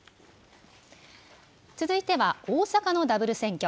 続いては、大阪のダブル選挙。